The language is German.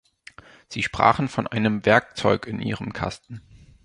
Sie sprachen von einem "Werkzeug in Ihrem Kasten".